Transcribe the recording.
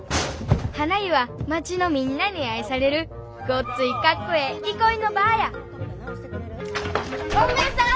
はな湯は町のみんなに愛されるごっついかっこええ憩いの場やゴンベエさん！